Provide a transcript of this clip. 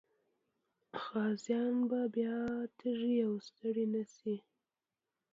غازيان به بیا تږي او ستړي نه سي.